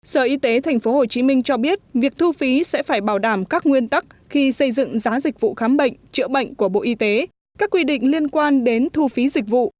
sở y tế tp hcm cho biết việc thu phí sẽ phải bảo đảm các nguyên tắc khi xây dựng giá dịch vụ khám bệnh chữa bệnh của bộ y tế các quy định liên quan đến thu phí dịch vụ